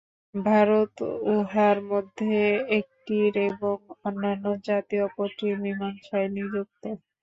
ভারত উহার মধ্যে একটির এবং অন্যান্য জাতি অপরটির মীমাংসায় নিযুক্ত।